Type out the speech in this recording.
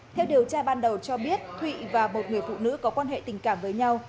theo điều tra ban đầu cho biết thụy và một người phụ nữ có quan hệ tình cảm với nhau